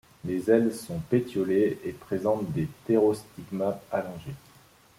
Les ailes sont pétiolées et présentent un ptérostigma allongé.